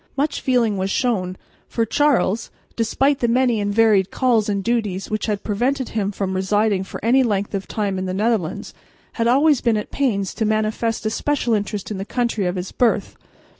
Much feeling was shown, for Charles, despite the many and varied calls and duties which had prevented him from residing for any length of time in the Netherlands, had always been at pains to manifest a special interest in the country of his birth.